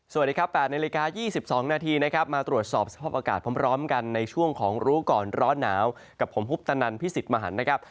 สวัสดีครับ๘นาฬิกา๒๒นาทีนะครับมาตรวจสอบสภาพอากาศพร้อมกันในช่วงของรู้ก่อนร้อนหนาวกับผมคุปตนันพิสิทธิ์มหันนะครับ